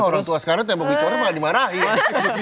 orang tua sekarang tembok yang coret nggak dimarahin